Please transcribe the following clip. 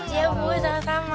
iya ibu sama sama